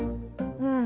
うん。